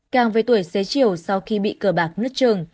càng với tuổi xế chiều sau khi bị cờ bạc nứt chừng